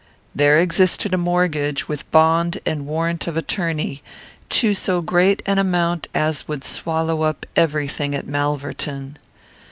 There existed a mortgage, with bond and warrant of attorney, to so great an amount as would swallow up every thing at Malverton.